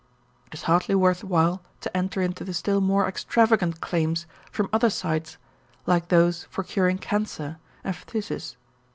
It is hardly worth while to enter into the still more extravagant claims from other sides like those for curing cancer and phthisis.